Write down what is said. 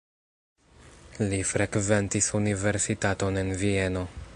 Li frekventis universitaton en Vieno.